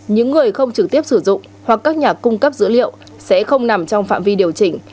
những người không trực tiếp sử dụng hoặc các nhà cung cấp dữ liệu sẽ không nằm trong phạm vi điều chỉnh